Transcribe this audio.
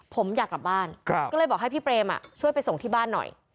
ผมอยากกลับบ้านก็เลยบอกให้พี่เปรมช่วยไปส่งที่บ้านหน่อย